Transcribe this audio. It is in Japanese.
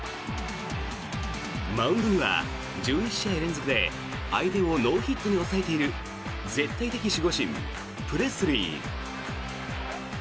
マウンドには１１試合連続で相手をノーヒットに抑えている絶対的守護神、プレスリー。